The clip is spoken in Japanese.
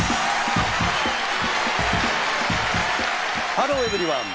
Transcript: ハローエブリワン！